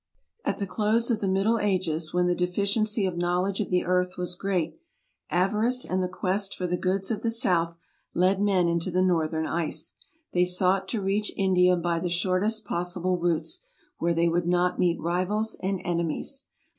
At the close of the Middle Ages, when the deficiency of knowledge of the earth was great, avarice and the quest for the goods of the south led men into the northern ice; they sought to reach India by the shortest possible routes, where they would not meet rivals and enemies.